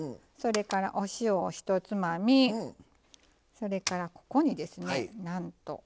それからお塩を１つまみそれからここにですねなんと。